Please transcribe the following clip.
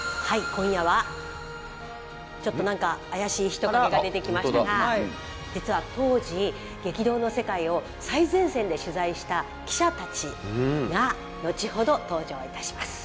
今夜はちょっと何か怪しい人影が出てきましたが実は当時激動の世界を最前線で取材した記者たちが後ほど登場いたします。